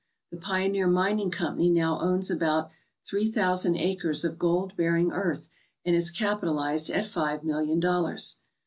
The Pioneer Mining Company now owns about three thousand acres of gold bearing earth and is capital ized at five million dollars.